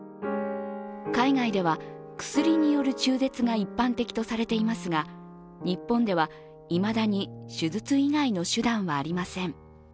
海外では薬による中絶が一般的とされていますが、日本ではいまだに手術以外の手段はありません。